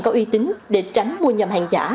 có uy tín để tránh mua nhầm hàng giả